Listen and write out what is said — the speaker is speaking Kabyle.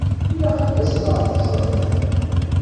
Ilaq ad tasem ad ɣ-teẓṛem!